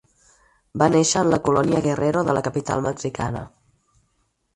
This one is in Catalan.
Va néixer en la colònia Guerrero de la capital mexicana.